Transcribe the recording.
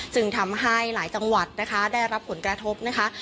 จึงทำให้หลายจังหวัดนะคะได้รับผลกระทบนะคะ